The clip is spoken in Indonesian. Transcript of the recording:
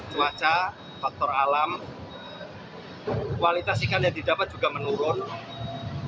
cuaca faktor alam kualitas ikan yang didapat juga menurun